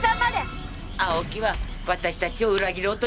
青木は私たちを裏切ろうとしました。